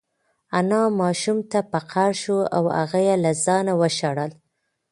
انا ماشوم ته په قهر شوه او هغه یې له ځانه وشړل.